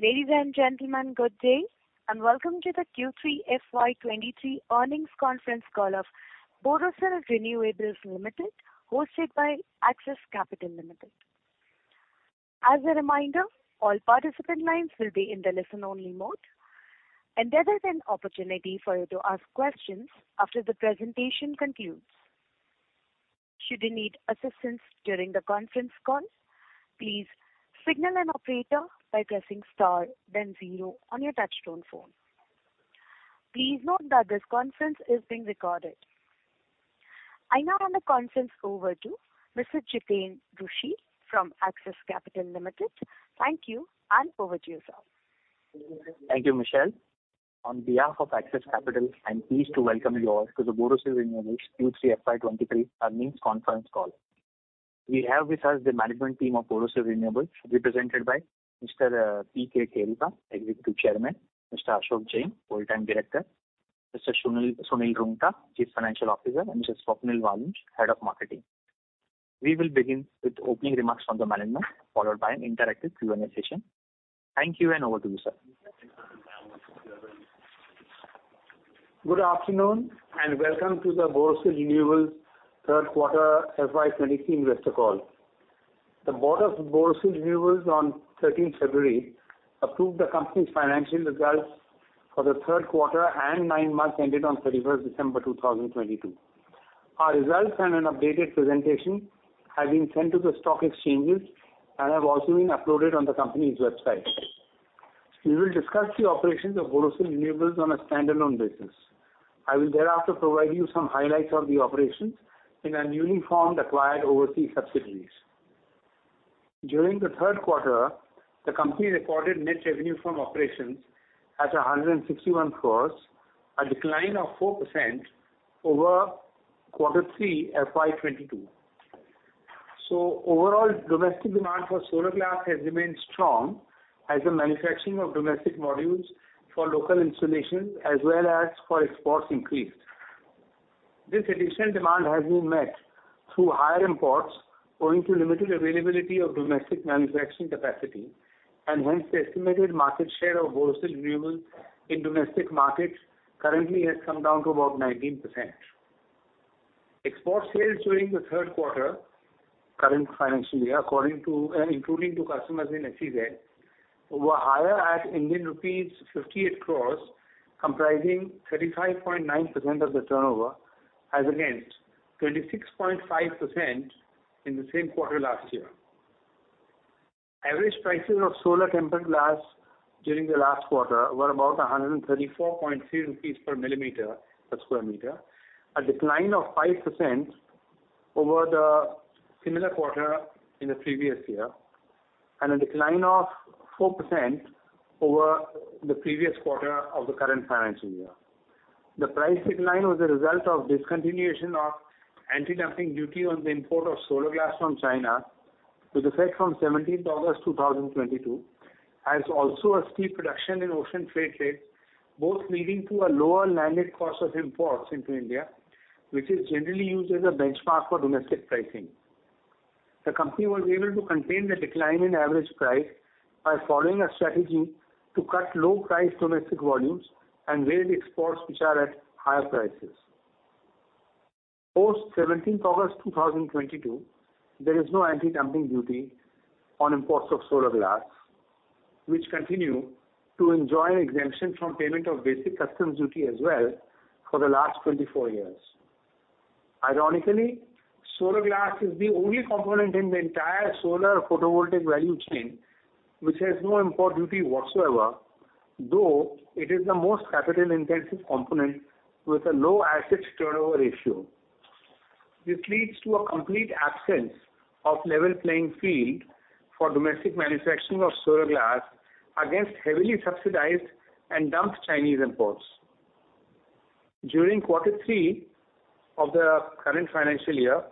Ladies and gentlemen, good day, and welcome to the Q3 FY 23 earnings conference call of Borosil Renewables Limited, hosted by Axis Capital Limited. As a reminder, all participant lines will be in the listen only mode, and there is an opportunity for you to ask questions after the presentation concludes. Should you need assistance during the conference call, please signal an operator by pressing star then zero on your touchtone phone. Please note that this conference is being recorded. I now hand the conference over to Mr. Jiten Rushi from Axis Capital Limited. Thank you, over to you, sir. Thank you, Michelle. On behalf of Axis Capital, I'm pleased to welcome you all to the Borosil Renewables Q3 FY 23 earnings conference call. We have with us the management team of Borosil Renewables, represented by Mr. P.K. Kheruka, Executive Chairman, Mr. Ashok Jain, Whole-Time Director, Mr. Sunil Roongta, Chief Financial Officer, and Mr. Swapnil Walunj, Head of Marketing. We will begin with opening remarks from the management, followed by an interactive Q&A session. Thank you, over to you, sir. Good afternoon and welcome to the Borosil Renewables third quarter FY 23 investor call. The board of Borosil Renewables on 13th February approved the company's financial results for the third quarter and 9 months ended on 31st December 2022. Our results and an updated presentation have been sent to the stock exchanges and have also been uploaded on the company's website. We will discuss the operations of Borosil Renewables on a standalone basis. I will thereafter provide you some highlights of the operations in our newly formed acquired overseas subsidiaries. During the third quarter, the company recorded net revenue from operations at 161 crores, a decline of 4% over Q3 FY 22. Overall, domestic demand for solar glass has remained strong as the manufacturing of domestic modules for local installations as well as for exports increased. This additional demand has been met through higher imports owing to limited availability of domestic manufacturing capacity and hence the estimated market share of Borosil Renewables in domestic markets currently has come down to about 19%. Export sales during the 3rd quarter, current financial year, according to and including to customers in SEZ, were higher at Indian rupees 58 crores, comprising 35.9% of the turnover as against 26.5% in the same quarter last year. Average prices of solar tempered glass during the last quarter were about 134.3 rupees per millimeter, per square meter, a decline of 5% over the similar quarter in the previous year, and a decline of 4% over the previous quarter of the current financial year. The price decline was a result of discontinuation of anti-dumping duty on the import of solar glass from China, with effect from 17th August 2022, as also a steep reduction in ocean freight rates, both leading to a lower landed cost of imports into India, which is generally used as a benchmark for domestic pricing. The company was able to contain the decline in average price by following a strategy to cut low price domestic volumes and raise exports which are at higher prices. Post 17th August 2022, there is no anti-dumping duty on imports of solar glass, which continue to enjoy an exemption from payment of basic customs duty as well for the last 24 years. Ironically, solar glass is the only component in the entire solar photovoltaic value chain which has no import duty whatsoever, though it is the most capital intensive component with a low asset turnover ratio. This leads to a complete absence of level playing field for domestic manufacturing of solar glass against heavily subsidized and dumped Chinese imports. During quarter three of the current financial year,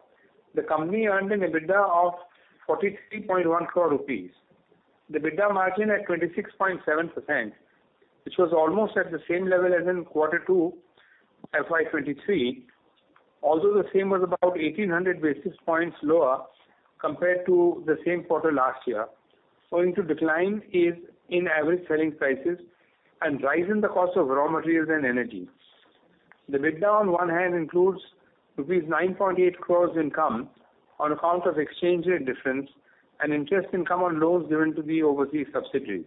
the company earned an EBITDA of 43.1 crore rupees. The EBITDA margin at 26.7%, which was almost at the same level as in quarter two FY23. The same was about 1,800 basis points lower compared to the same quarter last year, owing to declines in average selling prices and rise in the cost of raw materials and energy. The EBITDA on one hand includes rupees 9.8 crores income on account of exchange rate difference and interest income on loans given to the overseas subsidiaries.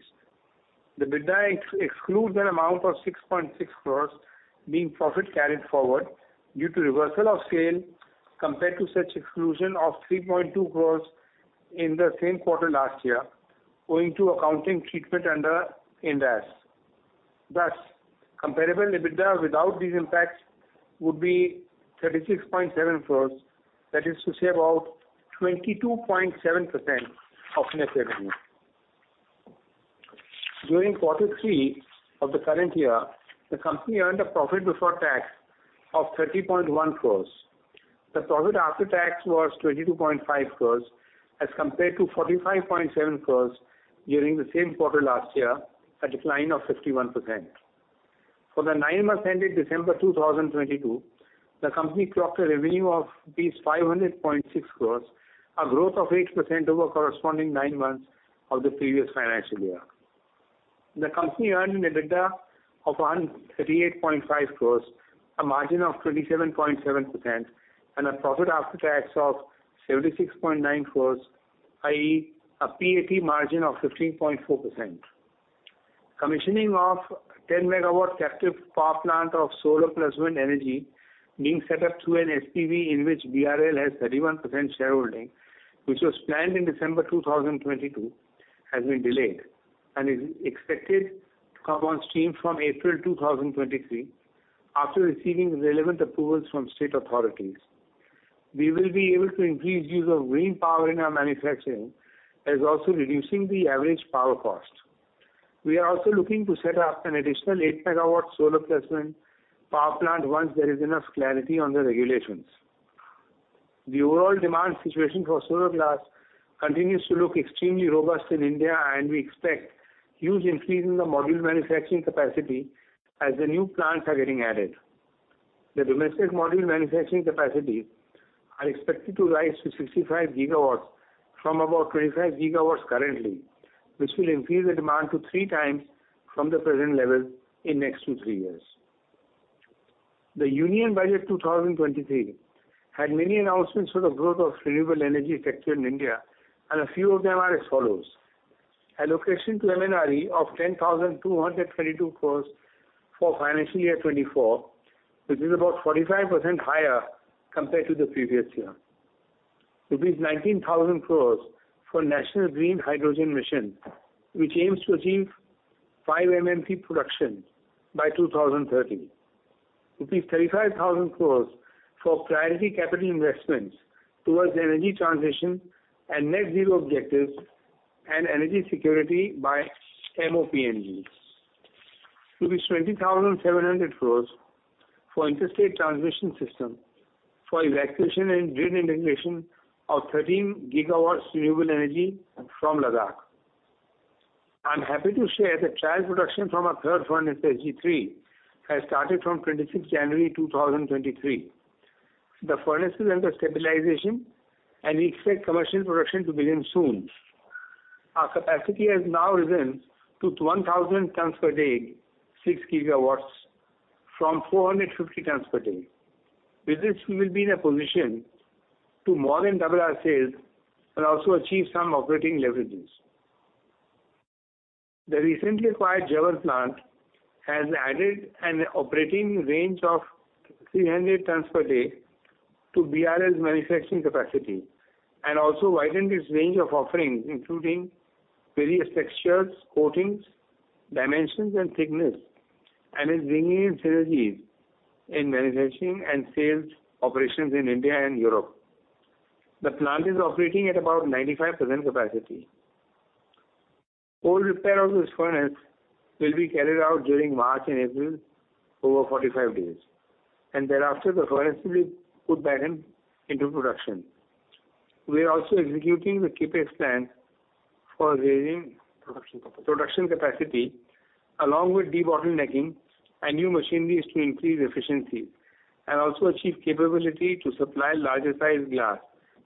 The EBITDA excludes an amount of 6.6 crores being profit carried forward due to reversal of scale compared to such exclusion of 3.2 crores in the same quarter last year, owing to accounting treatment under Ind AS. Thus, comparable EBITDA without these impacts would be 36.7 crores. That is to say about 22.7% of net revenue. During quarter three of the current year, the company earned a profit before tax of 30.1 crores. The profit after tax was 22.5 crores as compared to 45.7 crores during the same quarter last year, a decline of 51%. For the 9 months ended December 2022, the company clocked a revenue of 500.6 crores, a growth of 8% over corresponding 9 months of the previous financial year. The company earned an EBITDA of 138.5 crores, a margin of 27.7%, and a profit after tax of 76.9 crores, i.e. a PAT margin of 15.4%. Commissioning of 10 megawatt captive power plant of solar plus wind energy being set up through an SPV in which BRL has 31% shareholding, which was planned in December 2022, has been delayed and is expected to come on stream from April 2023 after receiving relevant approvals from state authorities. We will be able to increase use of green power in our manufacturing, as also reducing the average power cost. We are also looking to set up an additional 8 megawatt solar plus wind power plant once there is enough clarity on the regulations. The overall demand situation for solar glass continues to look extremely robust in India, and we expect huge increase in the module manufacturing capacity as the new plants are getting added. The domestic module manufacturing capacity are expected to rise to 65 gigawatts from about 25 gigawatts currently, which will increase the demand to 3 times from the present level in next to 3 years. The Union Budget 2023 had many announcements for the growth of renewable energy sector in India. A few of them are as follows. Allocation to MNRE of 10,232 crores for financial year 2024, which is about 45% higher compared to the previous year. Rupees 19,000 crores for National Green Hydrogen Mission, which aims to achieve 5 MMP production by 2030. Rupees 35,000 crores for priority capital investments towards energy transition and net zero objectives and energy security by MOPNG. 20,700 crores for interstate transmission system for evacuation and grid integration of 13 gigawatts renewable energy from Ladakh. I'm happy to share the trial production from our third furnace, SG3, has started from 26th January 2023. The furnace is under stabilization, and we expect commercial production to begin soon. Our capacity has now risen to 1,000 tons per day, 6 gigawatts from 450 tons per day. With this, we will be in a position to more than double our sales and also achieve some operating leverages. The recently acquired Tschernitz plant has added an operating range of 300 tons per day to BRL's manufacturing capacity and also widened its range of offerings, including various textures, coatings, dimensions, and thickness, and is bringing in synergies in manufacturing and sales operations in India and Europe. The plant is operating at about 95% capacity. Whole repair of this furnace will be carried out during March and April over 45 days. Thereafter, the furnace will be put back into production. We are also executing the CapEx plan for raising production capacity along with debottlenecking and new machineries to increase efficiency and also achieve capability to supply larger sized glass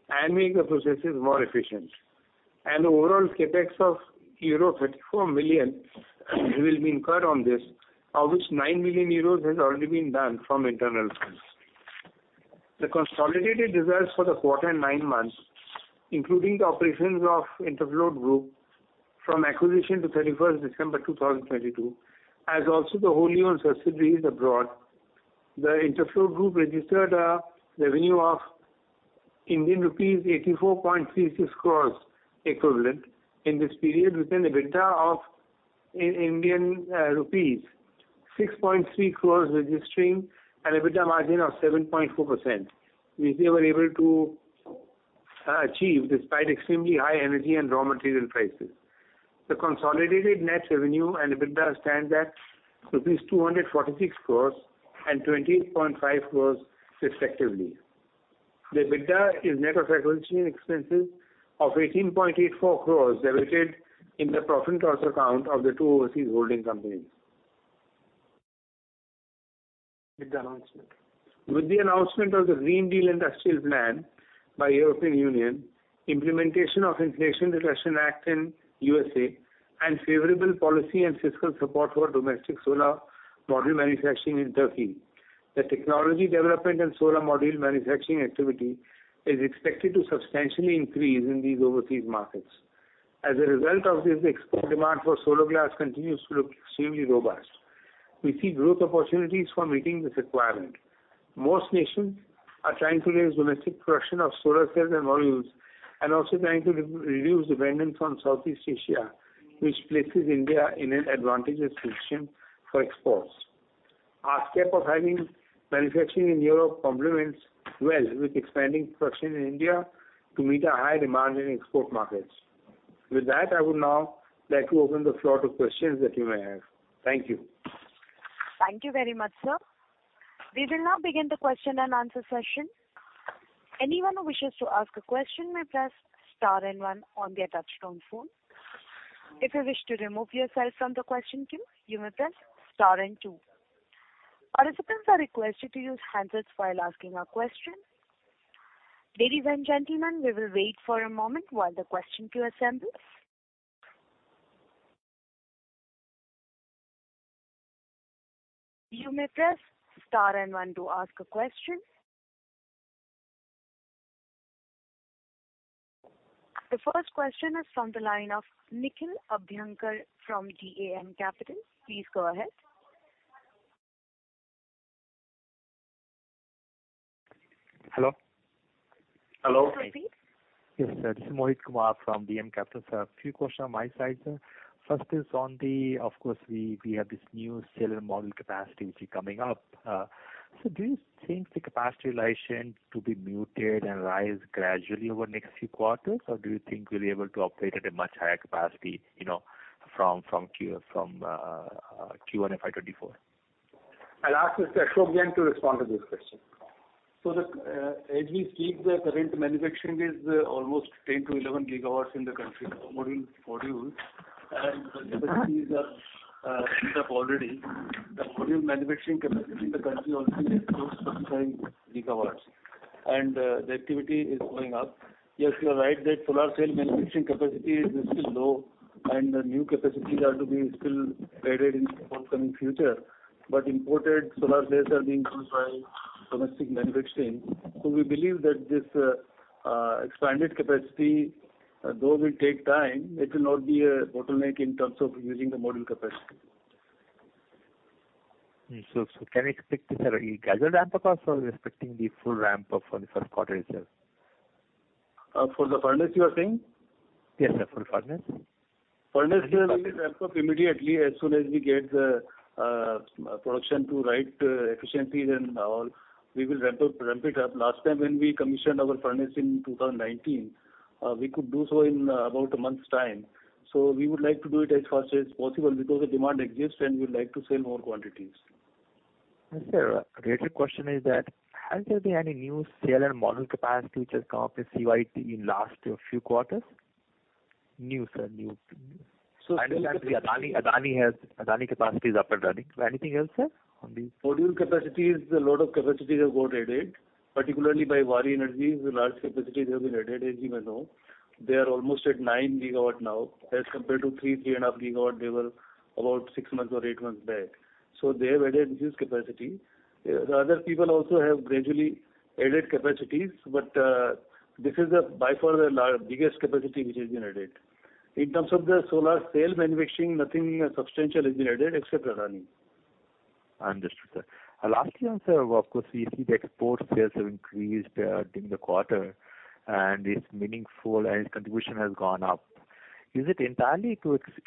and make the processes more efficient. An overall CapEx of euro 34 million will be incurred on this, of which 9 million euros has already been done from internal funds. The consolidated results for the quarter and nine months, including the operations of Interfloat Group from acquisition to 31st December 2022, as also the wholly owned subsidiaries abroad, the Interfloat Group registered a revenue of Indian rupees 84.36 crores equivalent in this period with an EBITDA of Indian rupees 6.3 crores, registering an EBITDA margin of 7.4%, which they were able to achieve despite extremely high energy and raw material prices. The consolidated net revenue and EBITDA stand at rupees 246 crores and 28.5 crores respectively. The EBITDA is net of recognition expenses of 18.84 crores debited in the profit and loss account of the two overseas holding companies. With the announcement. With the announcement of the Green Deal Industrial Plan by European Union, implementation of Inflation Reduction Act in USA, and favorable policy and fiscal support for domestic solar module manufacturing in Turkey, the technology development and solar module manufacturing activity is expected to substantially increase in these overseas markets. As a result of this, the demand for solar glass continues to look extremely robust. We see growth opportunities for meeting this requirement. Most nations are trying to raise domestic production of solar cells and modules, and also trying to re-reduce dependence on Southeast Asia, which places India in an advantageous position for exports. Our step of having manufacturing in Europe complements well with expanding production in India to meet a high demand in export markets. With that, I would now like to open the floor to questions that you may have. Thank you. Thank you very much, sir. We will now begin the question and answer session. Anyone who wishes to ask a question may press star and one on their touchtone phone. If you wish to remove yourself from the question queue, you may press star and two. Participants are requested to use handsets while asking a question. Ladies and gentlemen, we will wait for a moment while the question queue assembles. You may press star and one to ask a question. The first question is from the line of Nikhil Abhyankar from DAM Capital. Please go ahead. Hello? Hello. Please. Yes, sir. This is Mohit Kumar from DAM Capital, sir. A few questions on my side, sir. First is on the... Of course, we have this new cellular module capacity which is coming up. Do you think the capacity utilization to be muted and rise gradually over next few quarters? Or do you think you'll be able to operate at a much higher capacity, you know, from Q1 FY24? I'll ask Mr. Ashok Jain to respond to this question. The, as we speak, the current manufacturing is almost 10-11 gigawatts in the country. The module manufacturing capacity in the country also is close to 25 gigawatts. The activity is going up. Yes, you are right that solar cell manufacturing capacity is still low and the new capacities are to be still added in forthcoming future. Imported solar cells are being consumed by domestic manufacturing. We believe that this expanded capacity, though will take time, it will not be a bottleneck in terms of using the module capacity. Can we expect a gradual ramp up or are we expecting the full ramp up for the first quarter itself? For the furnace you are saying? Yes, sir. For furnace. Furnace we will ramp up immediately as soon as we get the production to right efficiencies and all, we will ramp it up. Last time when we commissioned our furnace in 2019, we could do so in about a month's time. We would like to do it as fast as possible because the demand exists and we would like to sell more quantities. Sir, related question is that has there been any new cell and module capacity which has come up in CYTE in last few quarters? New, sir. New. So- I understand the Adani capacity is up and running. Anything else, sir? Module capacity is a lot of capacity have got added, particularly by Waaree Energies. The large capacity they have been added, as you may know. They are almost at 9 gigawatt now as compared to 3.5 gigawatt they were about 6 months or 8 months back. They have added huge capacity. Other people also have gradually added capacities, this is the by far the biggest capacity which has been added. In terms of the solar cell manufacturing, nothing substantial has been added except Adani. Understood, sir. Lastly on sir, of course, we see the export sales have increased during the quarter and it's meaningful and its contribution has gone up. Is it entirely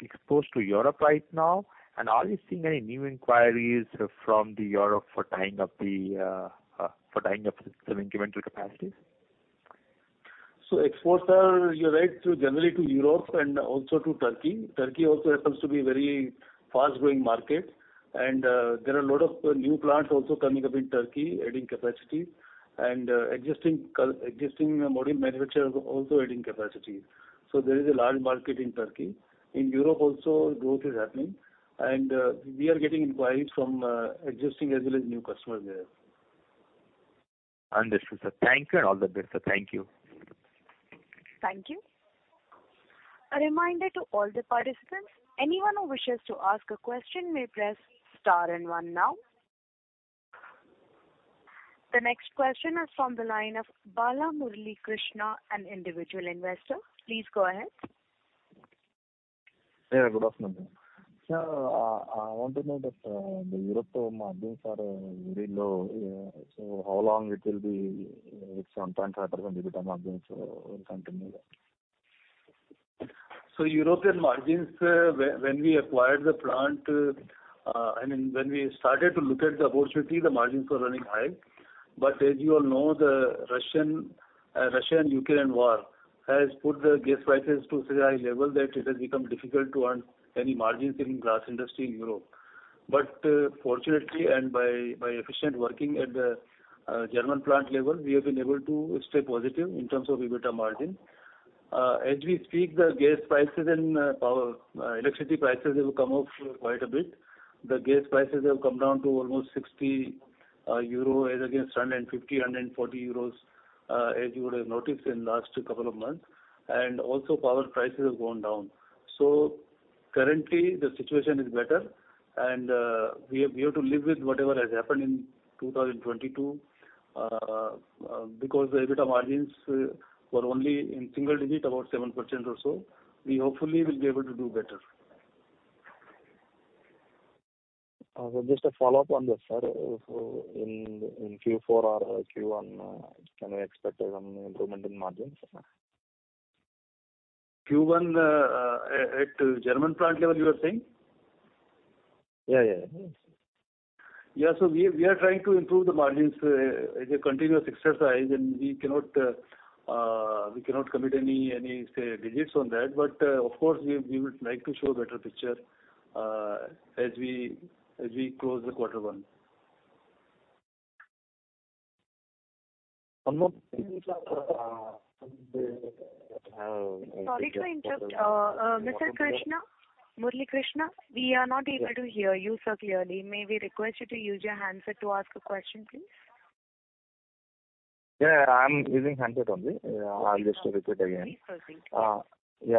exposed to Europe right now? Are you seeing any new inquiries from Europe for tying up some incremental capacities? Exports are, you're right, to generally to Europe and also to Turkey. Turkey also happens to be very fast-growing market. There are a lot of new plants also coming up in Turkey adding capacity and existing co-existing module manufacturers also adding capacity. There is a large market in Turkey. In Europe also growth is happening, and we are getting inquiries from existing as well as new customers there. Understood, sir. Thank you and all the best, sir. Thank you. Thank you. A reminder to all the participants, anyone who wishes to ask a question may press star and one now. The next question is from the line of Bala Murali Krishna, an individual investor. Please go ahead. Yeah, good afternoon. I want to know that the Europe margins are very low. How long it will be some 10-15% EBITDA margins will continue? European margins, when we acquired the plant, I mean, when we started to look at the opportunity, the margins were running high. As you all know, the Russian-Ukrainian war has put the gas prices to such a high level that it has become difficult to earn any margins in glass industry in Europe. Fortunately, by efficient working at the German plant level, we have been able to stay positive in terms of EBITDA margin. As we speak, the gas prices and power electricity prices have come off quite a bit. The gas prices have come down to almost 60 euro as against 150, 140 euros, as you would have noticed in last couple of months. Also power prices have gone down. Currently the situation is better and, we have to live with whatever has happened in 2022, because the EBITDA margins were only in single digit, about 7% or so. We hopefully will be able to do better. Just a follow-up on this, sir. In Q4 or Q1, can we expect some improvement in margins? Q1, at German plant level you are saying? Yeah, yeah. Yeah. we are trying to improve the margins. It's a continuous exercise and we cannot commit any, say, digits on that. Of course, we would like to show a better picture as we close the quarter one. One more thing Sorry to interrupt. Mr. Krishna, Murali Krishna, we are not able to hear you, sir, clearly. May we request you to use your handset to ask a question, please? Yeah, I'm using handset only. Yeah, I'll just repeat again. Okay.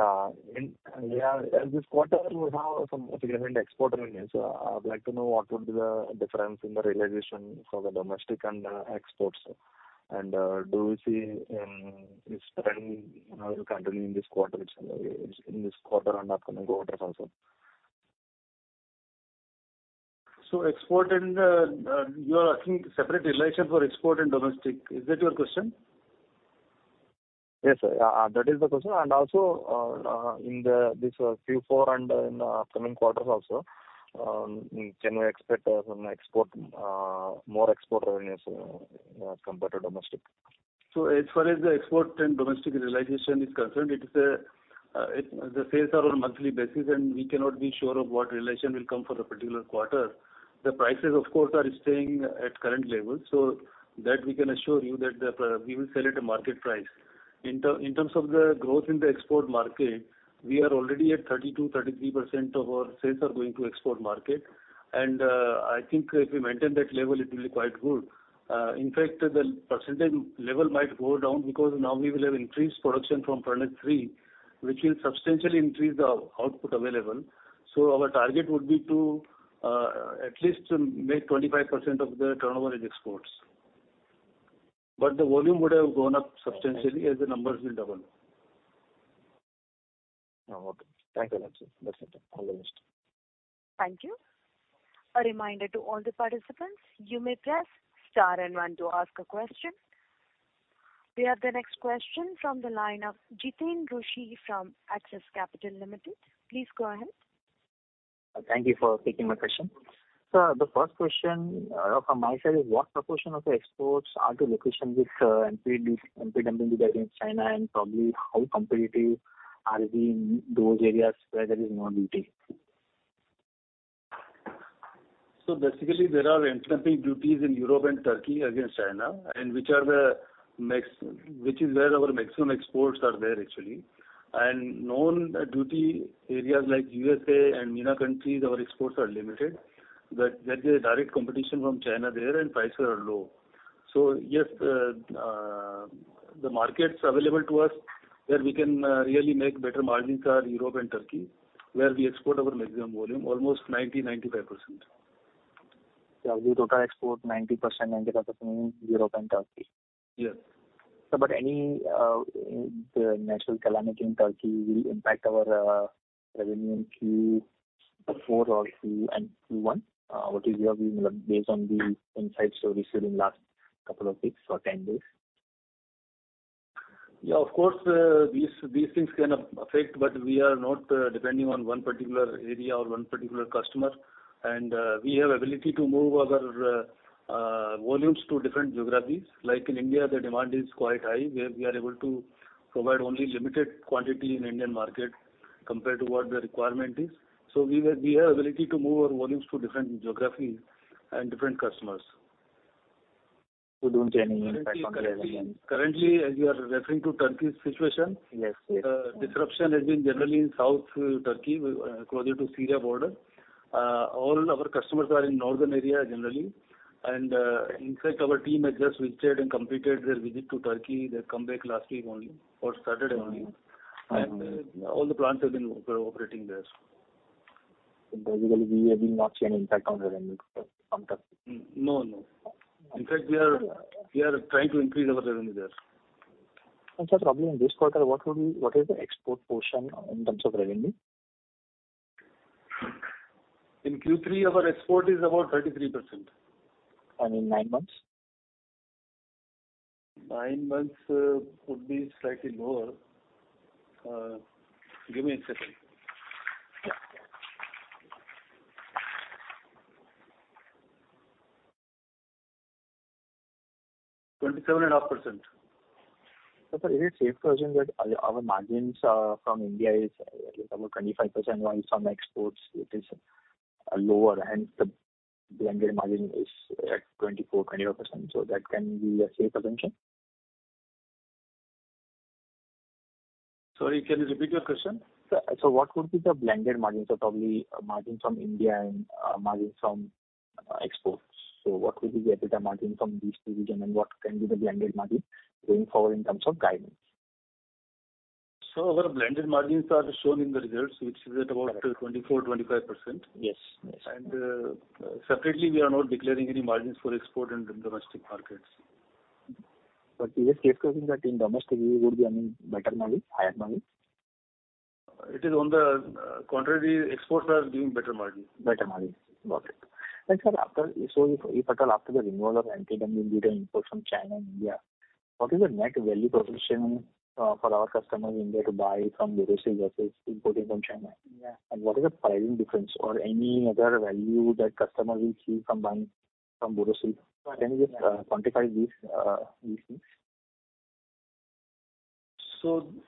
Thank you. In this quarter we have some significant export revenues. I would like to know what would be the difference in the realization for the domestic and exports. Do you see this trend, you know, continuing this quarter, which in this quarter and upcoming quarters also? Export and you are asking separate realization for export and domestic. Is that your question? Yes, sir. That is the question. In this Q4 and in the upcoming quarters also, can we expect some export more export revenues compared to domestic? As far as the export and domestic realization is concerned, it is the sales are on a monthly basis, and we cannot be sure of what realization will come for a particular quarter. The prices of course are staying at current levels, so that we can assure you that we will sell at a market price. In terms of the growth in the export market, we are already at 32%-33% of our sales are going to export market. I think if we maintain that level, it will be quite good. In fact, the percentage level might go down because now we will have increased production from production 3, which will substantially increase the output available. Our target would be to at least make 25% of the turnover in exports. The volume would have gone up substantially as the numbers will double. Oh, okay. Thank you. That's it. All the best. Thank you. A reminder to all the participants, you may press star and one to ask a question. We have the next question from the line of Jiten Rushi from Axis Capital Limited. Please go ahead. Thank you for taking my question. Sir, the first question from my side is what proportion of the exports are to locations with anti-dumping duty against China, and probably how competitive are we in those areas where there is no duty? Basically there are anti-dumping duties in Europe and Turkey against China, and which is where our maximum exports are there actually. Non-duty areas like USA and MENA countries, our exports are limited. There is a direct competition from China there and prices are low. Yes, the markets available to us where we can really make better margins are Europe and Turkey, where we export our maximum volume, almost 90-95%. Of the total export, 90%, 95% is Europe and Turkey. Yes. Sir, any natural calamity in Turkey will impact our revenue in Q4 or Q1? What is your view based on the insights you are receiving last couple of weeks or 10 days? Yeah, of course, these things can affect, but we are not depending on one particular area or one particular customer. We have ability to move our volumes to different geographies. Like in India, the demand is quite high, where we are able to provide only limited quantity in Indian market compared to what the requirement is. We have ability to move our volumes to different geographies and different customers. Don't see any impact on revenue. Currently, as you are referring to Turkey's situation. Yes, yes. Disruption has been generally in south Turkey, closer to Syria border. All our customers are in northern area generally. In fact, our team has just visited and completed their visit to Turkey. They come back last week only or started only. Mm-hmm. All the plants have been operating there. We have been not seeing impact on the revenue from Turkey. No, no. In fact, we are trying to increase our revenue there. Sir, probably in this quarter, what is the export portion in terms of revenue? In Q3, our export is about 33%. In nine months? Nine months would be slightly lower. Give me a second. 27.5%. Sir, is it safe to assume that our margins from India is about 25%, while from exports it is lower, hence the blended margin is at 24%-25%. That can be a safe assumption? Sorry, can you repeat your question? What would be the blended margin? Probably margin from India and margin from exports. What will be the better margin from these two region and what can be the blended margin going forward in terms of guidance? Our blended margins are shown in the results, which is at about 24%-25%. Yes. Yes. Separately, we are not declaring any margins for export and domestic markets. Is it safe to assume that in domestic we would be having better margin, higher margin? It is on the contrary. Exports are giving better margin. Better margin. Got it. Sir, after, so if at all after the removal of anti-dumping duty import from China and India, what is the net value proposition for our customers in India to buy from overseas versus importing from China and India? And what is the pricing difference or any other value that customer will see from buying from Borosil? Can you quantify these things?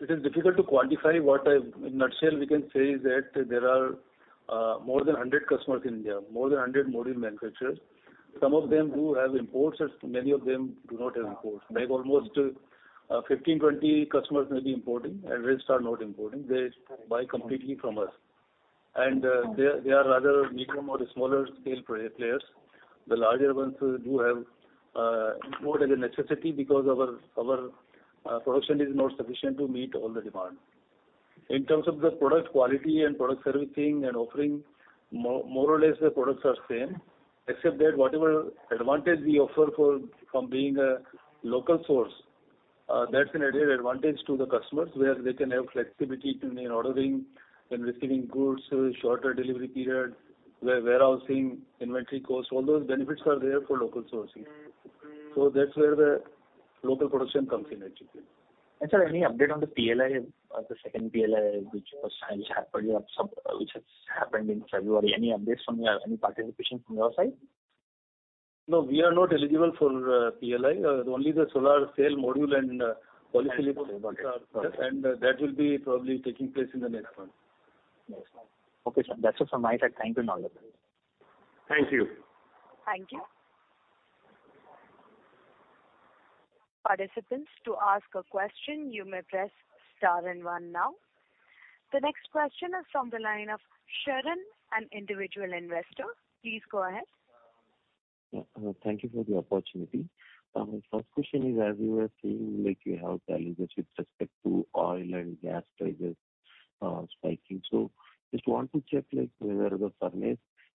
It is difficult to quantify. In a nutshell, we can say that there are more than 100 customers in India, more than 100 module manufacturers. Some of them do have imports, as many of them do not have imports. Maybe almost 15, 20 customers may be importing and rest are not importing. They buy completely from us. They are rather medium or smaller scale players. The larger ones do have more as a necessity because our production is not sufficient to meet all the demand. In terms of the product quality and product servicing and offering, more or less the products are same, except that whatever advantage we offer for, from being a local source, that's an added advantage to the customers where they can have flexibility in ordering and receiving goods, shorter delivery period, where warehousing, inventory costs, all those benefits are there for local sourcing. That's where the local production comes in actually. Sir, any update on the PLI, the second PLI which was signed halfway or which has happened in February? Any updates from your. Any participation from your side? No, we are not eligible for PLI. Only the solar cell module and polysilicon. Okay, got it. That will be probably taking place in the next month. Next month. Okay, sir. That's it from my side. Thank you and all the best. Thank you. Thank you. Participants, to ask a question, you may press star 1 now. The next question is from the line of Sharon, an individual investor. Please go ahead. Yeah. Thank you for the opportunity. First question is, as you were saying, like you have challenges with respect to oil and gas prices, spiking. Just want to check like whether the furnace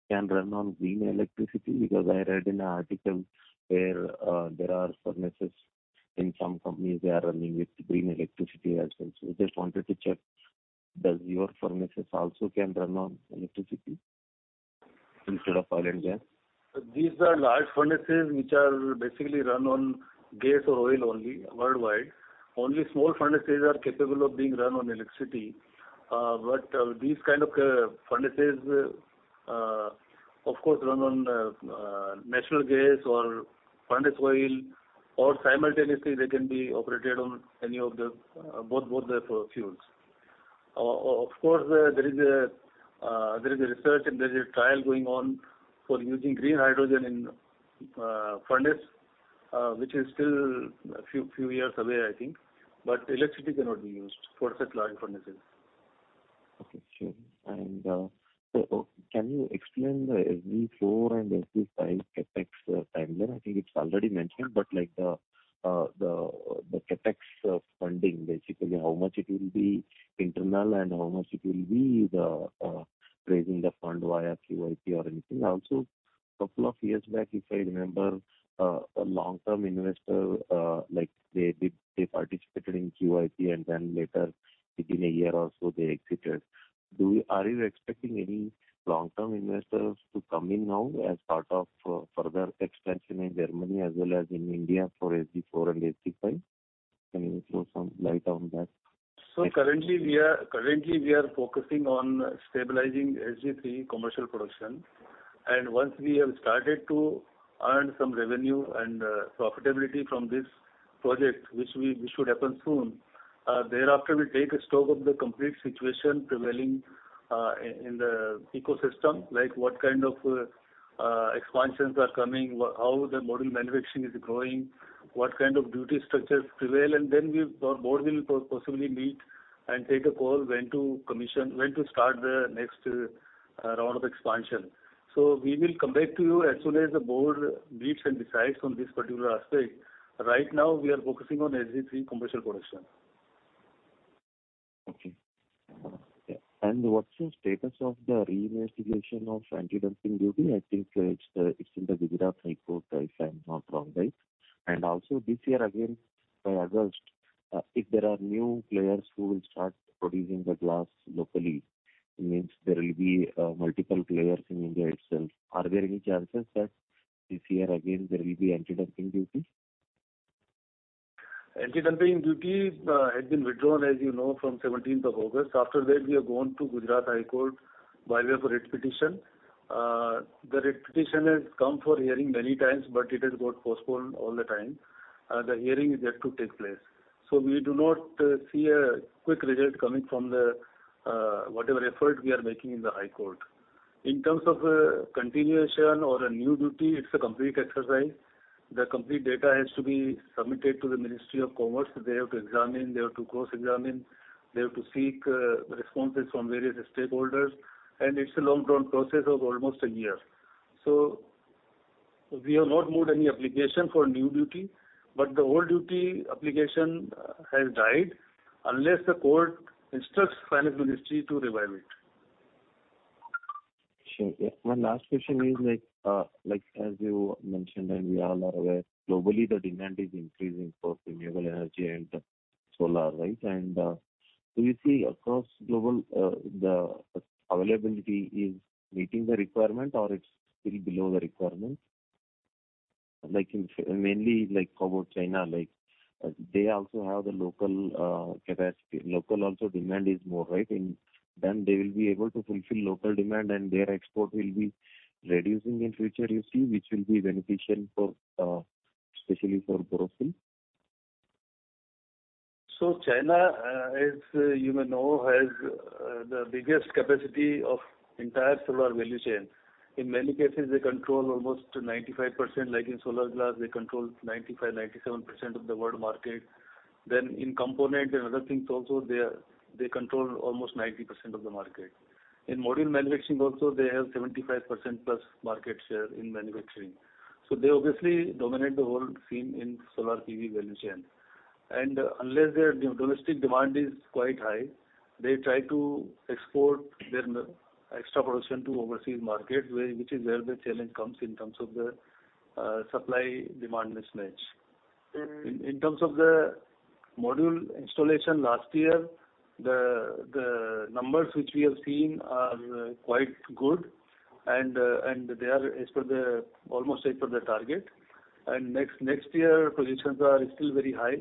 can run on green electricity? I read in an article where, there are furnaces in some companies, they are running with green electricity as well. Just wanted to check, does your furnaces also can run on electricity instead of oil and gas? These are large furnaces which are basically run on gas or oil only worldwide. Only small furnaces are capable of being run on electricity. But these kind of furnaces, of course, run on natural gas or furnace oil, or simultaneously they can be operated on any of the both the fuels. Of course, there is a research and there is a trial going on for using green hydrogen in furnace, which is still a few years away, I think. But electricity cannot be used for such large furnaces. Okay, sure. Can you explain the SG4 and SG5 CapEx timeline? I think it's already mentioned, but like the CapEx funding, basically how much it will be internal and how much it will be the raising the fund via QIP or anything. Also, couple of years back, if I remember, a long-term investor, like they participated in QIP and then later within a year or so they exited. Are you expecting any long-term investors to come in now as part of further expansion in Germany as well as in India for SG4 and SG5? Can you throw some light on that? Currently we are focusing on stabilizing SG3 commercial production. Once we have started to earn some revenue and profitability from this project, which should happen soon, thereafter we'll take a stock of the complete situation prevailing in the ecosystem, like what kind of expansions are coming, how the module manufacturing is growing, what kind of duty structures prevail, then we, our board will possibly meet and take a call when to commission, when to start the next round of expansion. We will come back to you as soon as the board meets and decides on this particular aspect. Right now we are focusing on SG3 commercial production. Okay. Yeah. What's the status of the reinvestigation of anti-dumping duty? I think it's in the Gujarat High Court, if I'm not wrong, right? Also this year again, by August, if there are new players who will start producing the glass locally, it means there will be multiple players in India itself. Are there any chances that this year again there will be anti-dumping duty? Anti-dumping duty, as you know, has been withdrawn from seventeenth of August. We have gone to Gujarat High Court by way of a writ petition. The writ petition has come for hearing many times, it has got postponed all the time. The hearing is yet to take place. We do not see a quick result coming from the whatever effort we are making in the High Court. In terms of continuation or a new duty, it's a complete exercise. The complete data has to be submitted to the Ministry of Commerce. They have to examine, they have to cross-examine, they have to seek responses from various stakeholders, it's a long-drawn process of almost a year. We have not moved any application for new duty, but the old duty application has died unless the court instructs Finance Ministry to revive it. Sure. Yeah. One last question is like as you mentioned and we all are aware, globally the demand is increasing for renewable energy and solar, right? Do you see across global, the availability is meeting the requirement or it's still below the requirement? Mainly like how about China, like, they also have the local capacity. Local also demand is more, right? They will be able to fulfill local demand and their export will be reducing in future, you see, which will be beneficial for, especially for Borosil. China, as you may know, has the biggest capacity of entire solar value chain. In many cases, they control almost 95%, like in solar glass they control 95%, 97% of the world market. In component and other things also they control almost 90% of the market. In module manufacturing also they have 75% plus market share in manufacturing. They obviously dominate the whole scene in solar PV value chain. Unless their domestic demand is quite high, they try to export their extra production to overseas markets, which is where the challenge comes in terms of the supply demand mismatch. In terms of the module installation last year, the numbers which we have seen are quite good and they are as per the... almost as per the target. Next year projections are still very high,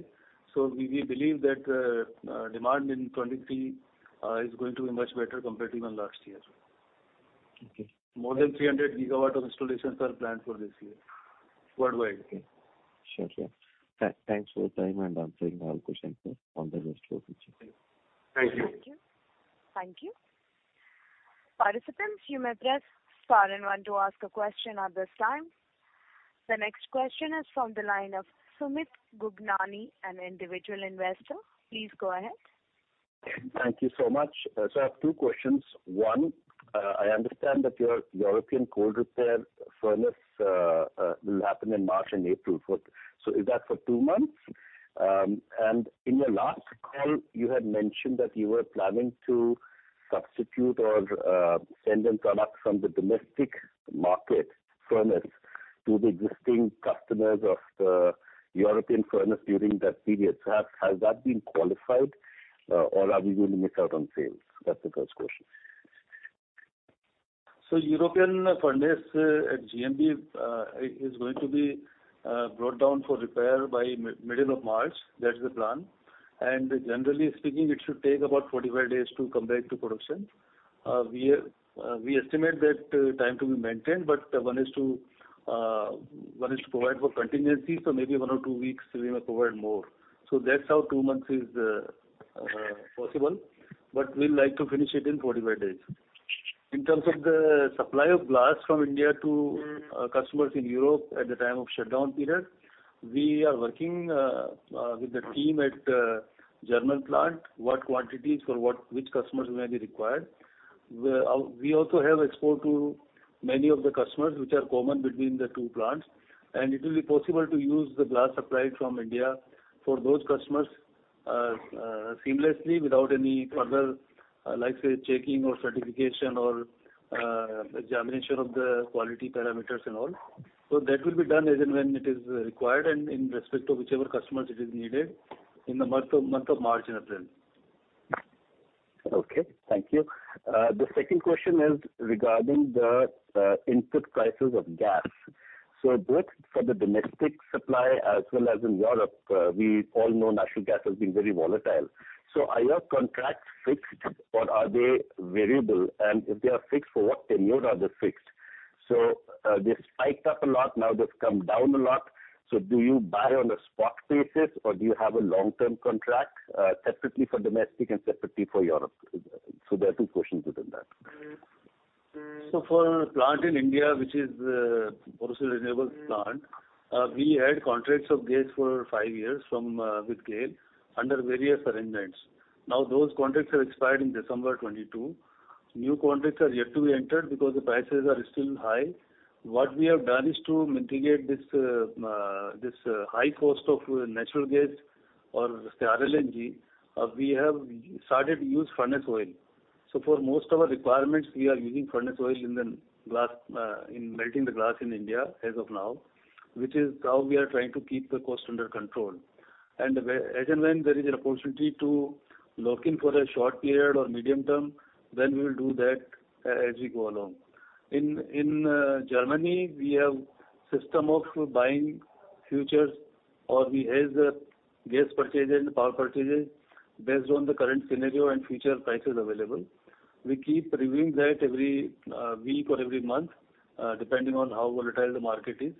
so we believe that demand in 2023 is going to be much better compared to even last year. Okay. More than 300 gigawatt of installations are planned for this year worldwide. Okay. Sure thing. Thanks for the time and answering all questions on the investor feature. Thank you. Thank you. Thank you. Participants you may press star and one to ask a question at this time. The next question is from the line of Sumit Gugnani, an individual investor. Please go ahead. Thank you so much. I have 2 questions. One, I understand that your European cold repair furnace will happen in March and April. Is that for 2 months? And in your last call you had mentioned that you were planning to substitute or send in products from the domestic market furnace to the existing customers of the European furnace during that period. Has that been qualified or are we going to miss out on sales? That's the first question. European furnace at GMB is going to be brought down for repair by middle of March. That's the plan. Generally speaking, it should take about 45 days to come back to production. We estimate that time to be maintained, but one is to provide for contingency, so maybe 1 or 2 weeks we may provide more. That's how 2 months is possible, but we'd like to finish it in 45 days. In terms of the supply of glass from India to customers in Europe at the time of shutdown period, we are working with the team at German plant, what quantities for what, which customers may be required. We're We also have export to many of the customers which are common between the two plants. It will be possible to use the glass supplied from India for those customers, seamlessly without any further, like, say, checking or certification or, examination of the quality parameters and all. That will be done as and when it is required and in respect to whichever customers it is needed in the month of March and April. Okay, thank you. The second question is regarding the input prices of gas. Both for the domestic supply as well as in Europe, we all know natural gas has been very volatile. Are your contracts fixed or are they variable? If they are fixed, for what tenure are they fixed? They spiked up a lot, now they've come down a lot. Do you buy on a spot basis or do you have a long-term contract, separately for domestic and separately for Europe? There are two questions within that. For our plant in India, which is Borosil Renewables plant, we had contracts of gas for five years from with GAIL under various arrangements. Those contracts have expired in December 2022. New contracts are yet to be entered because the prices are still high. What we have done is to mitigate this high cost of natural gas or say RLNG, we have started to use furnace oil. For most of our requirements, we are using furnace oil in the glass, in melting the glass in India as of now, which is how we are trying to keep the cost under control. As and when there is an opportunity to lock in for a short period or medium term, then we will do that as we go along. In Germany, we have system of buying futures, or we hedge gas purchases and power purchases based on the current scenario and future prices available. We keep reviewing that every week or every month, depending on how volatile the market is.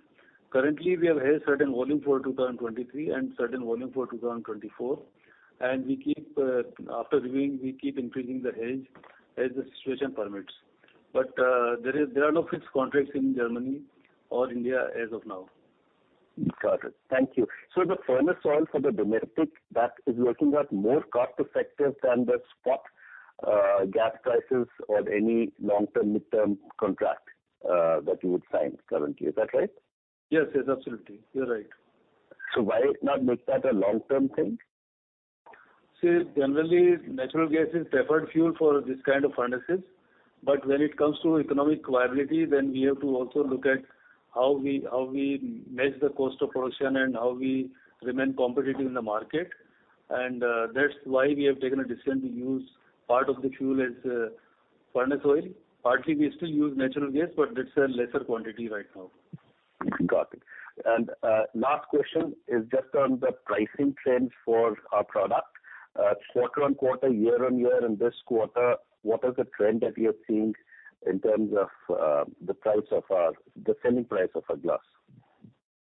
Currently, we have hedged certain volume for 2023 and certain volume for 2024, and we keep, after reviewing, we keep increasing the hedge as the situation permits. There are no fixed contracts in Germany or India as of now. Got it. Thank you. The furnace oil for the domestic, that is working out more cost effective than the spot, gas prices or any long-term, midterm contract, that you would sign currently. Is that right? Yes, yes, absolutely. You're right. Why not make that a long-term thing? Generally natural gas is preferred fuel for this kind of furnaces. When it comes to economic viability, then we have to also look at how we manage the cost of production and how we remain competitive in the market. That's why we have taken a decision to use part of the fuel as furnace oil. Partly, we still use natural gas, but that's a lesser quantity right now. Got it. Last question is just on the pricing trends for our product. Quarter-on-quarter, year-on-year, in this quarter, what is the trend that you're seeing in terms of the price of the selling price of our glass?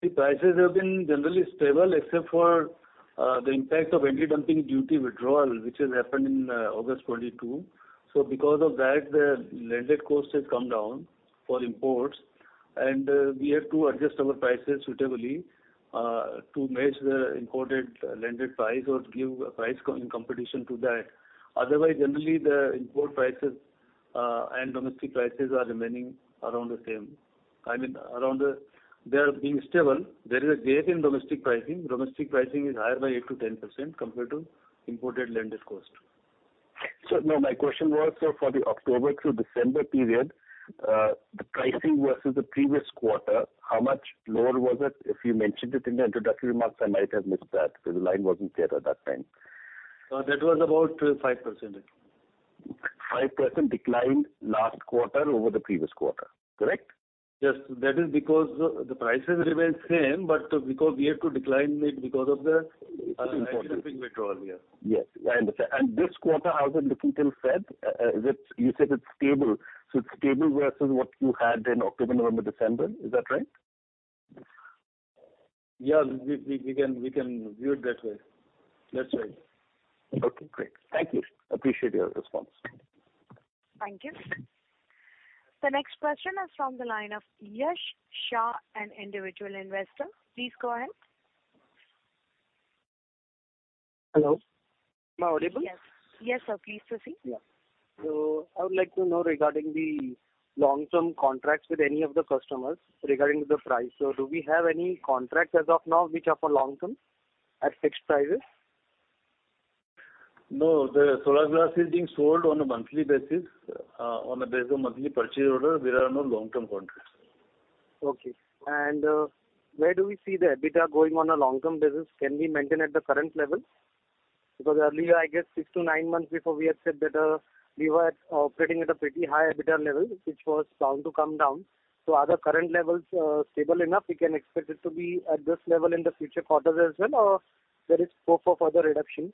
The prices have been generally stable except for the impact of anti-dumping duty withdrawal, which has happened in August 2022. Because of that, the landed cost has come down for imports, and we have to adjust our prices suitably to match the imported landed price or to give a price competition to that. Generally, the import prices and domestic prices are remaining around the same. I mean, They are being stable. There is a gap in domestic pricing. Domestic pricing is higher by 8%-10% compared to imported landed cost. No, my question was, for the October through December period, the pricing versus the previous quarter, how much lower was it? If you mentioned it in the introductory remarks, I might have missed that, because the line wasn't clear at that time. That was about, 5%. 5% decline last quarter over the previous quarter, correct? Yes. That is because the prices remain same, but because we have to decline it because of the. It's important. anti-dumping withdrawal, yeah. Yes, I understand. This quarter, as I'm looking till Fed, You said it's stable. It's stable versus what you had in October, November, December. Is that right? Yeah. We can view it that way. That's right. Okay, great. Thank you. Appreciate your response. Thank you. The next question is from the line of Yash Shah, an individual investor. Please go ahead. Hello, am I audible? Yes. Yes, sir. Please proceed. Yeah. I would like to know regarding the long-term contracts with any of the customers regarding the price. Do we have any contracts as of now which are for long term at fixed prices? No, the solar glass is being sold on a monthly basis, on the base of monthly purchase order. There are no long-term contracts. Okay. Where do we see the EBITDA going on a long-term basis? Can we maintain at the current level? Because earlier, I guess six to nine months before, we had said that, we were operating at a pretty high EBITDA level, which was bound to come down. Are the current levels, stable enough? We can expect it to be at this level in the future quarters as well, or there is scope for further reduction?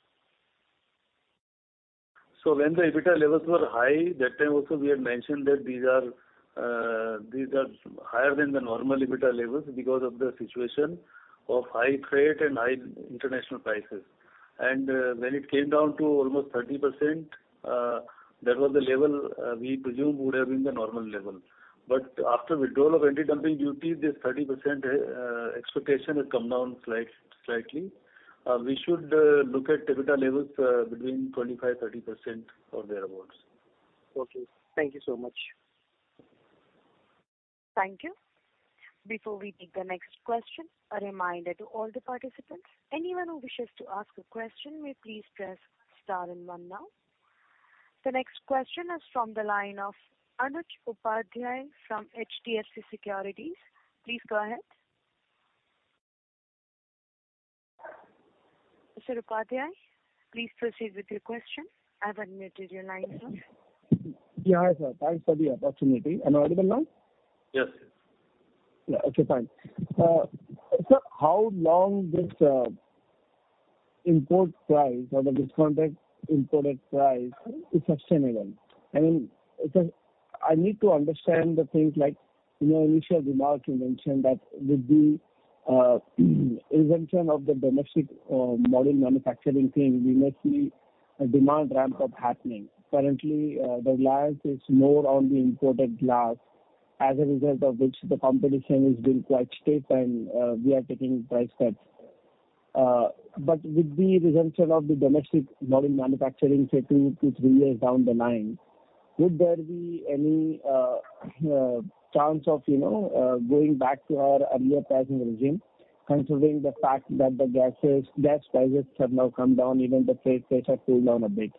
When the EBITDA levels were high, that time also we had mentioned that these are higher than the normal EBITDA levels because of the situation of high freight and high international prices. When it came down to almost 30%, that was the level we presumed would have been the normal level. After withdrawal of anti-dumping duty, this 30% expectation has come down slightly. We should look at EBITDA levels between 25%-30% or thereabouts. Okay. Thank you so much. Thank you. Before we take the next question, a reminder to all the participants, anyone who wishes to ask a question may please press star and one now. The next question is from the line of Anuj Upadhyay from HDFC Securities. Please go ahead. Sir Upadhyay, please proceed with your question. I've unmuted your line, sir. Yeah, hi, sir. Thanks for the opportunity. Am I audible now? Yes. Yeah. Okay, fine. Sir, how long this import price or the discounted imported price is sustainable? I mean I need to understand the things like, in your initial remark, you mentioned that with the invention of the domestic module manufacturing thing, we may see a demand ramp up happening. Currently, the reliance is more on the imported glass, as a result of which the competition has been quite stiff, we are taking price cuts. With the invention of the domestic module manufacturing, say, 2 to 3 years down the line, would there be any chance of, you know, going back to our earlier pricing regime, considering the fact that the gas prices have now come down, even the freight rates have cooled down a bit.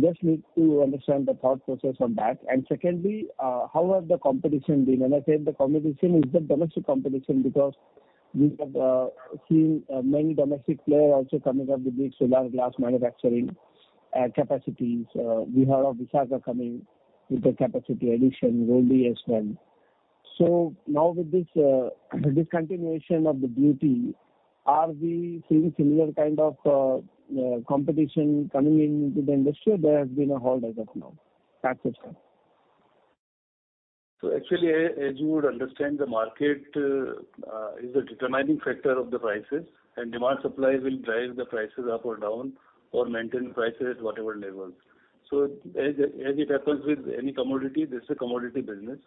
Just need to understand the thought process on that. Secondly, how has the competition been? When I say the competition is the domestic competition, because we have seen many domestic players also coming up with big solar glass manufacturing capacities. We heard of Vishakha coming with the capacity addition, RIL as well. Now with this discontinuation of the duty, are we seeing similar kind of competition coming into the industry or there has been a hold as of now? That's it, sir. Actually, as you would understand, the market is a determining factor of the prices, and demand supply will drive the prices up or down or maintain prices whatever levels. As, as it happens with any commodity, this is a commodity business,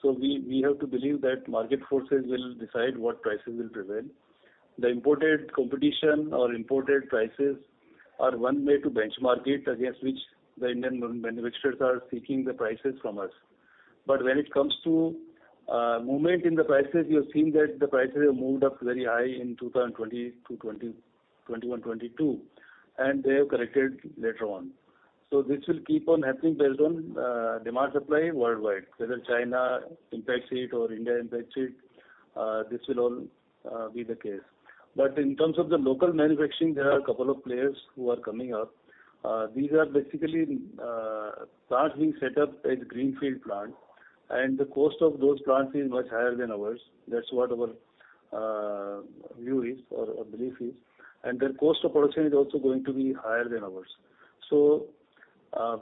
so we have to believe that market forces will decide what prices will prevail. The imported competition or imported prices are one way to benchmark it against which the Indian manufacturers are seeking the prices from us. When it comes to movement in the prices, you have seen that the prices have moved up very high in 2020 to 2021, 2022, and they have corrected later on. This will keep on happening based on demand supply worldwide, whether China impacts it or India impacts it. This will all be the case. In terms of the local manufacturing, there are a couple of players who are coming up. These are basically plants being set up as greenfield plant. The cost of those plants is much higher than ours. That's what our view is or belief is. Their cost of production is also going to be higher than ours.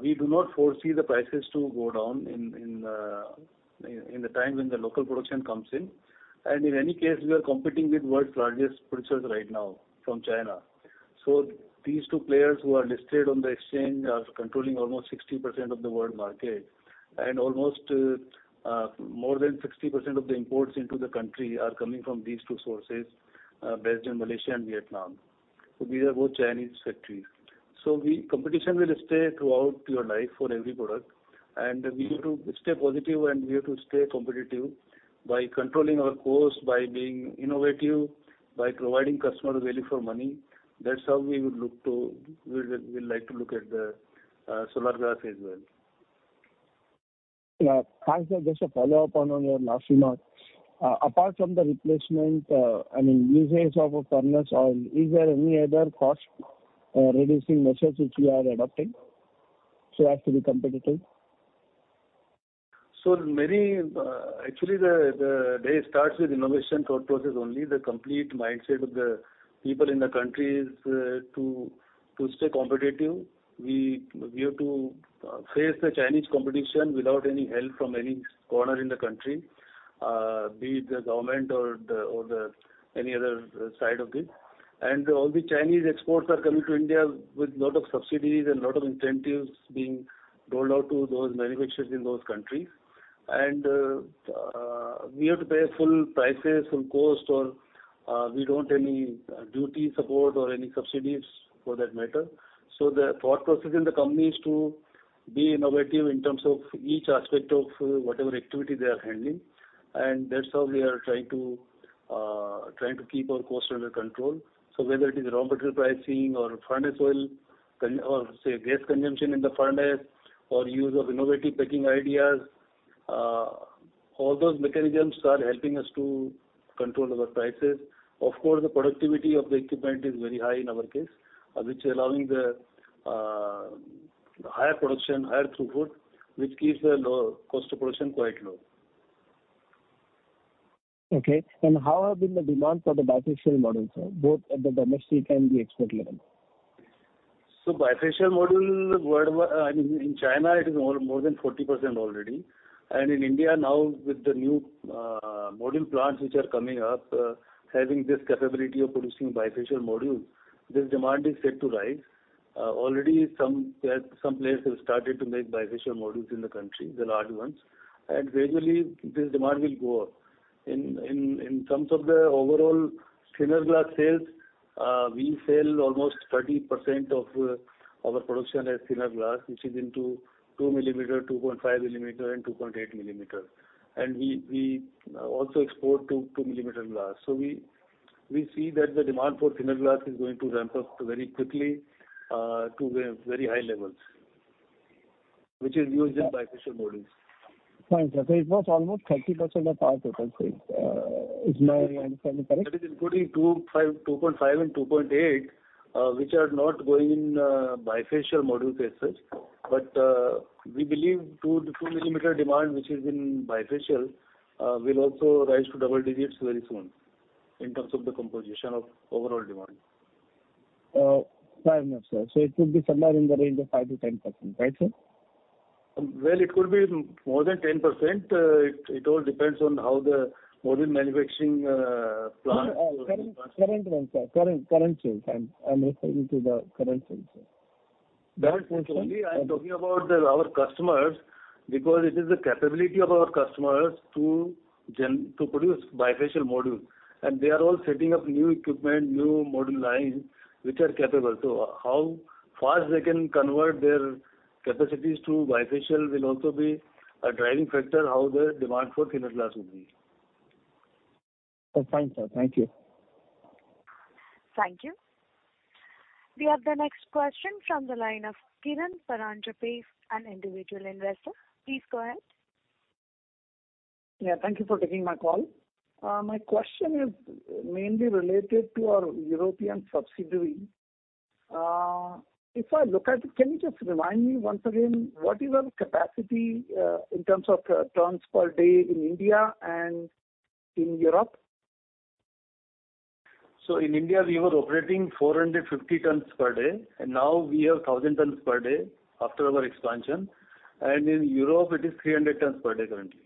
We do not foresee the prices to go down in the time when the local production comes in. In any case, we are competing with world's largest producers right now from China. These two players who are listed on the exchange are controlling almost 60% of the world market. Almost more than 60% of the imports into the country are coming from these two sources based in Malaysia and Vietnam. These are both Chinese factories. Competition will stay throughout your life for every product. We have to stay positive, and we have to stay competitive by controlling our costs, by being innovative, by providing customer value for money. That's how we would look to. We'll like to look at the solar glass as well. Yeah. Thanks, sir. Just to follow up on your last remark. apart from the replacement, I mean, usage of a furnace oil, is there any other cost, reducing measures which you are adopting so as to be competitive? Many, actually the day starts with innovation thought process only. The complete mindset of the people in the country is to stay competitive. We have to face the Chinese competition without any help from any corner in the country, be it the government or the any other side of this. All the Chinese exports are coming to India with lot of subsidies and lot of incentives being rolled out to those manufacturers in those countries. We have to pay full prices, full cost or we don't any duty support or any subsidies for that matter. The thought process in the company is to be innovative in terms of each aspect of whatever activity they are handling. That's how we are trying to keep our costs under control. Whether it is raw material pricing or furnace oil or say, gas consumption in the furnace or use of innovative packing ideas, all those mechanisms are helping us to control our prices. Of course, the productivity of the equipment is very high in our case, which is allowing the higher production, higher throughput, which keeps the cost of production quite low. Okay. How have been the demand for the bifacial models, sir, both at the domestic and the export level? Bifacial module worldwide, I mean, in China it is more than 40% already. In India now with the new module plants which are coming up, having this capability of producing bifacial modules, this demand is set to rise. Already some players have started to make bifacial modules in the country, the large ones. Gradually this demand will go up. In terms of the overall thinner glass sales, we sell almost 30% of our production as thinner glass, which is into 2 millimeter, 2.5 millimeter and 2.8 millimeter. We also export 2 millimeter glass. We see that the demand for thinner glass is going to ramp up very quickly to very, very high levels, which is used in bifacial modules. Fine, sir. It was almost 30% of our total sales. Is my understanding correct? That is including 2.5 and 2.8, which are not going in bifacial module cases. We believe two millimeter demand, which is in bifacial, will also rise to double digits very soon in terms of the composition of overall demand. Fine then, sir. It could be somewhere in the range of 5%-10%. Right, sir? It could be more than 10%. It, it all depends on how the module manufacturing plants current run, sir. Current sales. I'm referring to the current sales, sir. Current sales only. I'm talking about our customers, because it is the capability of our customers to produce bifacial modules. They are all setting up new equipment, new module lines, which are capable. How fast they can convert their capacities to bifacial will also be a driving factor how the demand for thinner glass will be. Oh, fine, sir. Thank you. Thank you. We have the next question from the line of Kiran Paranjape, an individual investor. Please go ahead. Thank you for taking my call. My question is mainly related to our European subsidiary. If I look at it, can you just remind me once again, what is our capacity, in terms of, tons per day in India and in Europe? In India, we were operating 450 tons per day, and now we are 1,000 tons per day after our expansion. In Europe it is 300 tons per day currently.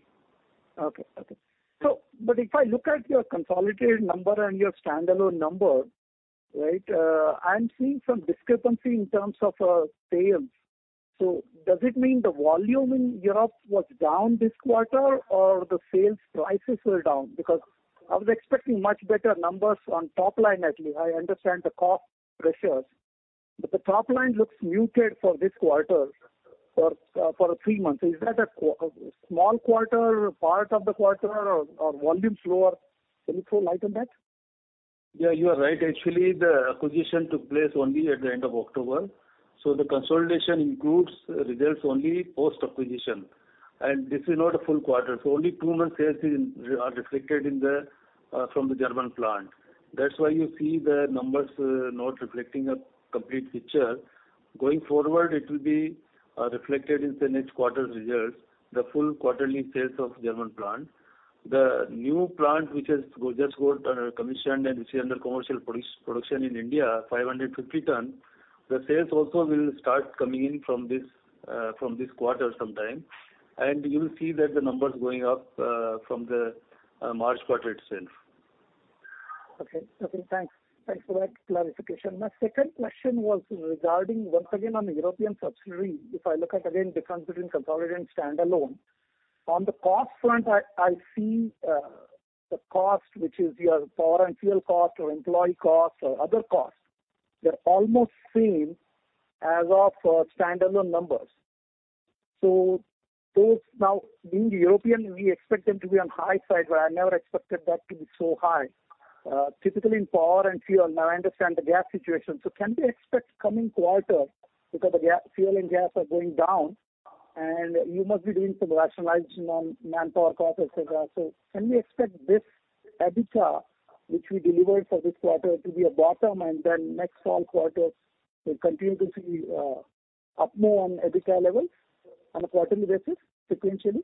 Okay. Okay. If I look at your consolidated number and your standalone number, right, I'm seeing some discrepancy in terms of sales. Does it mean the volume in Europe was down this quarter or the sales prices were down? Because I was expecting much better numbers on top line at least. I understand the cost pressures, but the top line looks muted for this quarter for a 3 months. Is that a small quarter, part of the quarter or volume slower? Can you throw light on that? Yeah, you are right. Actually, the acquisition took place only at the end of October. The consolidation includes results only post-acquisition. This is not a full quarter, so only two months sales are reflected in the from the German plant. That's why you see the numbers not reflecting a complete picture. Going forward, it will be reflected in the next quarter's results, the full quarterly sales of German plant. The new plant which has just got commissioned and is under commercial production in India, 550 ton. The sales also will start coming in from this from this quarter sometime. You will see that the numbers going up from the March quarter itself. Okay. Okay, thanks. Thanks for that clarification. My second question was regarding once again on the European subsidiary. If I look at again the difference between consolidated and standalone, on the cost front I see the cost which is your power and fuel cost or employee cost or other costs. They're almost same as of standalone numbers. Those now being European, we expect them to be on high side, but I never expected that to be so high, typically in power and fuel. Now I understand the gas situation. Can we expect coming quarter because the fuel and gas are going down and you must be doing some rationalizing on manpower costs, et cetera. Can we expect this EBITDA which we delivered for this quarter to be a bottom and then next all quarters we'll continue to see up move on EBITDA levels on a quarterly basis sequentially?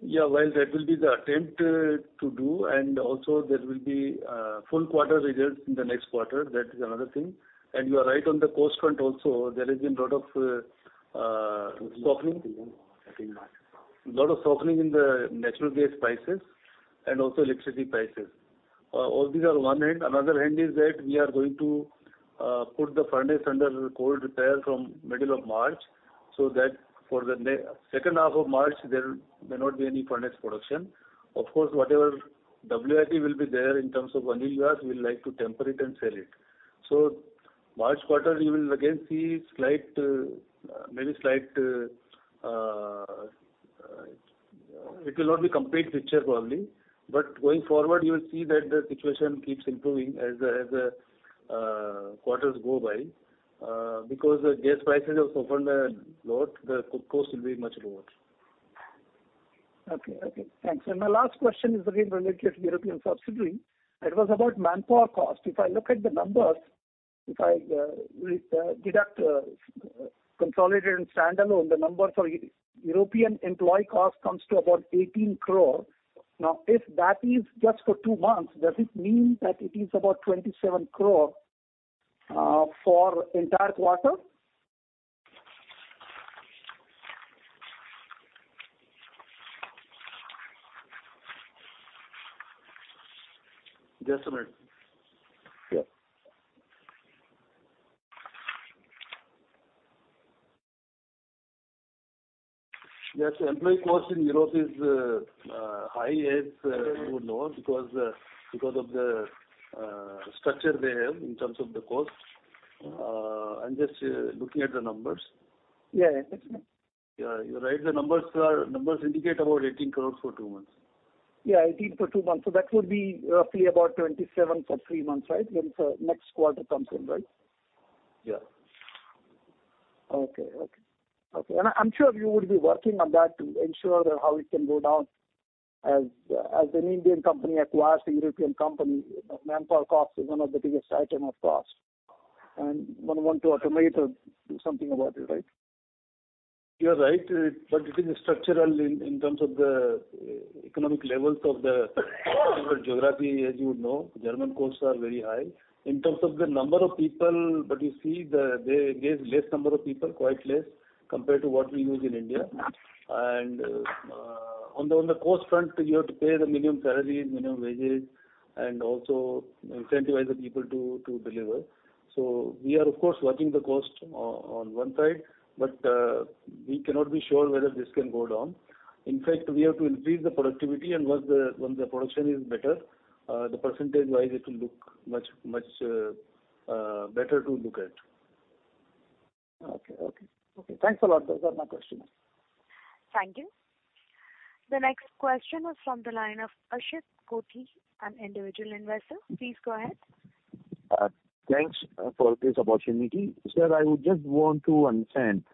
Yeah. Well, that will be the attempt to do, there will be full quarter results in the next quarter. That is another thing. You are right on the cost front also. There has been lot of softening in the natural gas prices and also electricity prices. All these are one hand. Another hand is that we are going to put the furnace under cold repair from middle of March, so that for the second half of March there may not be any furnace production. Of course, whatever WIP will be there in terms of annealed glass, we'll like to temper it and sell it. March quarter you will again see slight, maybe slight... It will not be complete picture probably, going forward you will see that the situation keeps improving as the quarters go by. Because the gas prices have softened a lot, the cost will be much lower. Okay. Okay, thanks. My last question is again related to European subsidiary. It was about manpower cost. If I look at the numbers, if I re-deduct consolidated and standalone, the numbers for European employee cost comes to about 18 crore. Now, if that is just for 2 months, does it mean that it is about 27 crore for entire quarter? Just a minute. Yeah. Yes. Employee cost in Europe is high as you would know because because of the structure they have in terms of the cost. I'm just looking at the numbers. Yeah, yeah. That's fine. Yeah, you're right. The numbers indicate about 18 crores for 2 months. Yeah, 18 for 2 months. That would be roughly about 27 for 3 months, right? The next quarter comes in, right? Yeah. Okay. Okay. Okay. I'm sure you would be working on that to ensure that how it can go down as an Indian company acquires a European company. Manpower cost is one of the biggest item of cost, one want to automate or do something about it, right? You're right. It is structural in terms of the economic levels of the different geography. As you would know, German costs are very high. In terms of the number of people, they engage less number of people, quite less compared to what we use in India. On the, on the cost front, you have to pay the minimum salaries, minimum wages and also incentivize the people to deliver. We are of course watching the cost on one side, but we cannot be sure whether this can go down. In fact, we have to increase the productivity and once the, once the production is better, the percentage wise it will look much, much better to look at. Okay, okay. Okay, thanks a lot. Those are my questions. Thank you. The next question is from the line of Ashit Kothi, an individual investor. Please go ahead. Thanks for this opportunity. Sir, I would just want to understand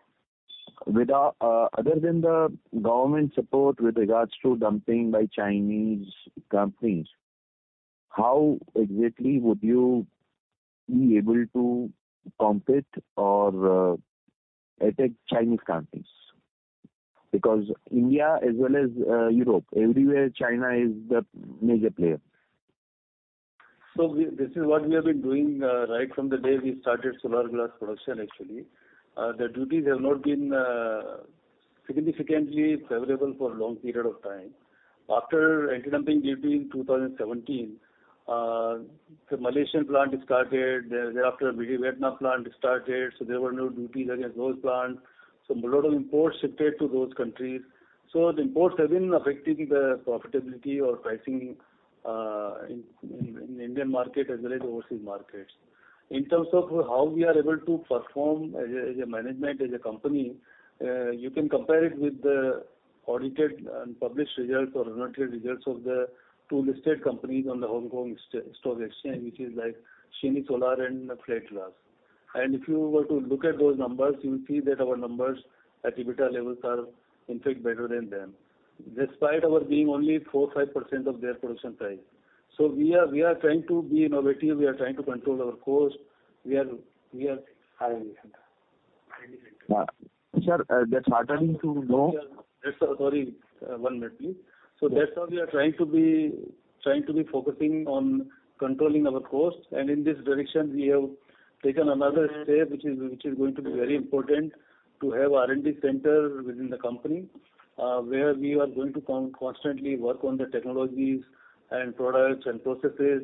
with other than the government support with regards to dumping by Chinese companies, how exactly would you be able to compete or attack Chinese companies? Because India as well as Europe, everywhere China is the major player. This is what we have been doing right from the day we started solar glass production, actually. The duties have not been significantly favorable for long period of time. After anti-dumping duty in 2017, the Malaysian plant started, thereafter maybe Vietnam plant started, there were no duties against those plants. Lot of imports shifted to those countries. The imports have been affecting the profitability or pricing in Indian market as well as overseas markets. In terms of how we are able to perform as a management, as a company, you can compare it with the audited and published results or unaudited results of the two listed companies on the Hong Kong Stock Exchange, which is like Xinyi Solar and Flat Glass. If you were to look at those numbers, you will see that our numbers at EBITDA levels are in fact better than them, despite our being only 4, 5% of their production size. We are trying to be innovative. We are trying to control our costs. We are. Sir, that's heartening to know. Sorry, one minute please. That's why we are trying to be focusing on controlling our costs. In this direction, we have taken another step, which is going to be very important to have R&D center within the company, where we are going to constantly work on the technologies and products and processes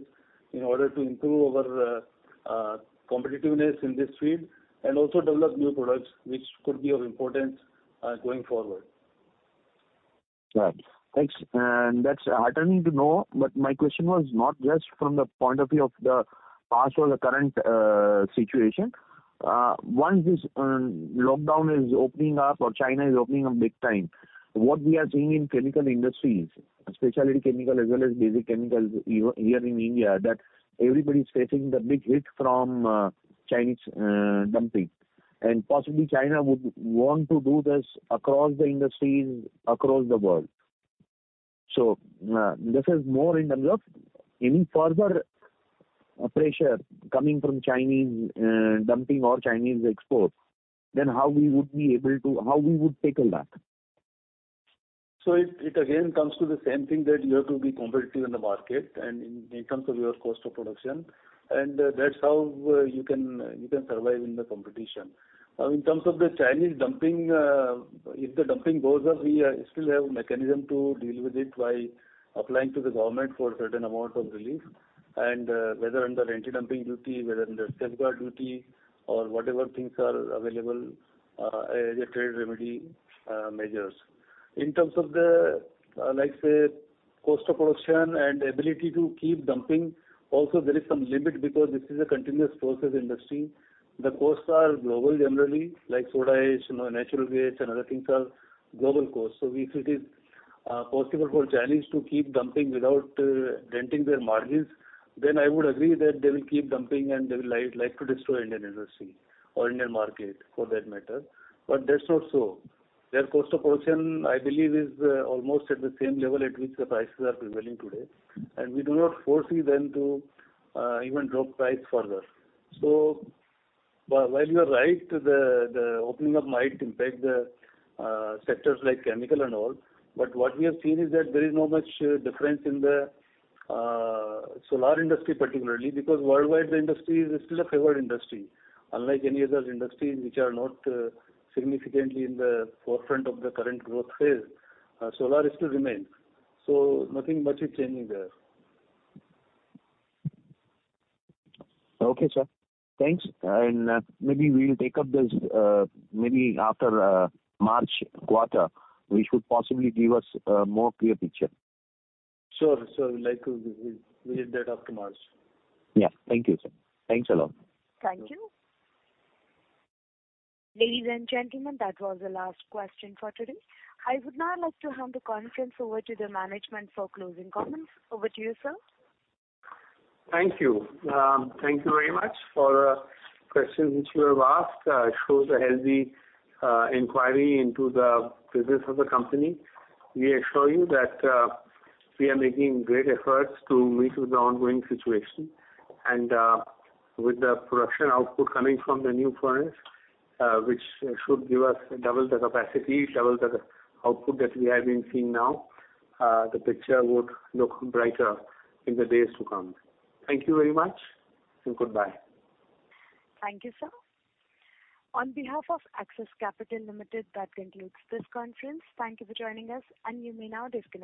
in order to improve our competitiveness in this field and also develop new products which could be of importance going forward. Right. Thanks. That's heartening to know. My question was not just from the point of view of the past or the current situation. Once this lockdown is opening up or China is opening up big time, what we are seeing in chemical industries, specialty chemical as well as basic chemicals in India, that everybody is facing the big hit from Chinese dumping. Possibly China would want to do this across the industries across the world. This is more in terms of any further pressure coming from Chinese dumping or Chinese exports, then how we would tackle that? It again comes to the same thing that you have to be competitive in the market and in terms of your cost of production, and that's how you can survive in the competition. In terms of the Chinese dumping, if the dumping goes up, we still have mechanism to deal with it by applying to the government for certain amount of relief. Whether under anti-dumping duty, whether under safeguard duty or whatever things are available as a trade remedy measures. In terms of the, like say, cost of production and ability to keep dumping, also there is some limit because this is a continuous process industry. The costs are global generally, like soda ash, you know, natural gas and other things are global costs. If it is possible for Chinese to keep dumping without denting their margins, then I would agree that they will keep dumping and they will like to destroy Indian industry or Indian market for that matter. That's not so. Their cost of production, I believe, is almost at the same level at which the prices are prevailing today, and we do not foresee them to even drop price further. While you are right, the opening up might impact the sectors like chemical and all, but what we have seen is that there is not much difference in the solar industry particularly because worldwide the industry is still a favored industry. Unlike any other industry which are not significantly in the forefront of the current growth phase, solar is to remain. Nothing much is changing there. Okay, sir. Thanks. Maybe we'll take up this, maybe after March quarter, which would possibly give us a more clear picture. Sure, sure. We'd like to re-review that after March. Yeah. Thank you, sir. Thanks a lot. Thank you. Ladies and gentlemen, that was the last question for today. I would now like to hand the conference over to the management for closing comments. Over to you, sir. Thank you. Thank you very much for questions which you have asked. It shows a healthy inquiry into the business of the company. We assure you that we are making great efforts to meet with the ongoing situation and with the production output coming from the new furnace, which should give us double the capacity, double the output that we have been seeing now, the picture would look brighter in the days to come. Thank you very much and goodbye. Thank you, sir. On behalf of Axis Capital Limited, that concludes this conference. Thank you for joining us, and you may now disconnect.